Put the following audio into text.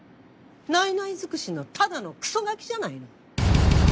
ないない尽くしのただのクソガキじゃないの。